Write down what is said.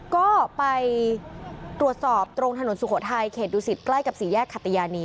ก็ไปตรวจสอบตรงถนนสุโขทัยเขตดูสิตใกล้กับสี่แยกขัตยานี